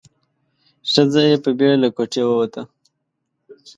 ښځه په بيړه له کوټې ووته.